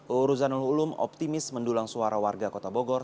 uu ruzanul ulum optimis mendulang suara warga kota bogor